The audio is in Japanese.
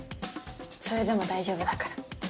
それでも大丈夫だから。